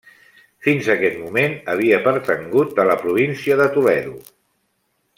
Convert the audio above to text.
Fins a aquest moment havia pertangut a la província de Toledo.